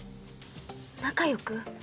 仲よく？